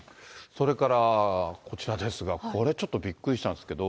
それからこちらですが、これ、ちょっとびっくりしたんですけど。